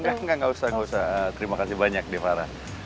nggak nggak nggak usah nggak usah terima kasih banyak de farah